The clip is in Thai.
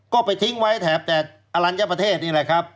ก็ไปทิ้งไว้แถบแต่อรัญญประเทศนี่แหละครับ